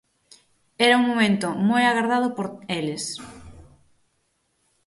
Era un momento moi agardado por eles.